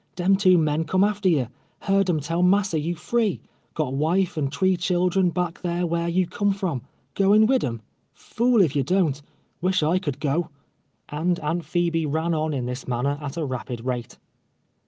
Dem two men come after ye. Heard 'em tell rnassa you free —■ got wife and tree children back thar wliar you ccmie from. Goin' wid 'em? Fool if ye don't — wish I could go," and Aunt Phebe ran on in this manner at a rapid rate.